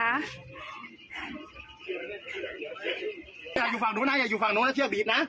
อยากอยู่ฝั่งนู้นนะเชื่อบี๊บนะ